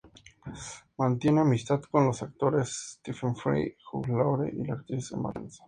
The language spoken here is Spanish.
Mantiene amistad con los actores Stephen Fry, Hugh Laurie y la actriz Emma Thompson.